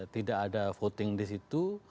tidak ada voting di situ